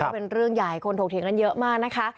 เป็นเรื่องใหญ่คนถูกเถียงเยอะมาก